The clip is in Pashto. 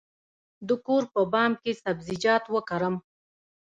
د کور په بام کې سبزیجات وکرم؟